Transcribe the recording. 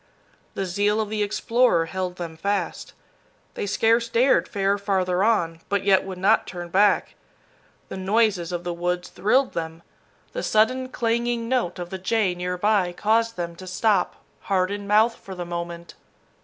The zeal of the explorer held them fast. They scarce dared fare farther on, but yet would not turn back. The noises of the woods thrilled them. The sudden clanging note of the jay near by caused them to stop, heart in mouth for the moment.